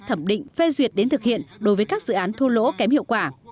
thẩm định phê duyệt đến thực hiện đối với các dự án thua lỗ kém hiệu quả